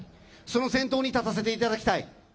その先頭に立たせていただきたい。